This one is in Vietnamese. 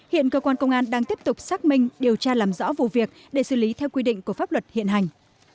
hiện cơ quan công an đang tiếp tục xác minh điều tra làm rõ vụ việc để xử lý theo quy định của pháp luật hiện hành